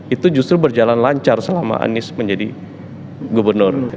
itu justru berjalan lancar selama anies menjadi gubernur